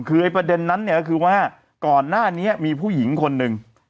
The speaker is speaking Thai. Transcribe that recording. คือไอ้ประเด็นนั้นเนี่ยก็คือว่าก่อนหน้านี้มีผู้หญิงคนหนึ่ง